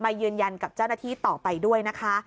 ยืนยันกับเจ้าหน้าที่ต่อไปด้วยนะคะ